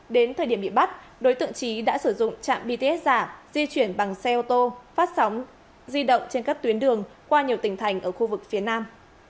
đến thời điểm bị bắt đối tượng trí đã sử dụng trạm bts giả di chuyển bằng xe ô tô phát sóng di động trên các tuyến đường qua nhiều tỉnh thành ở khu vực phía nam